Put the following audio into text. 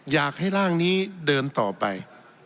อยากให้ร่างนี้เดินต่อไป